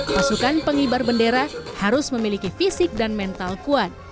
pasukan penghibar bendera harus memiliki fisik dan mental kuat